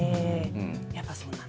やっぱりそうなんだ。